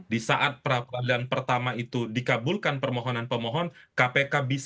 di saat pra peradilan pertama itu dikabulkan permohonan pemohon kpk bisa menetapkan tersangka kembali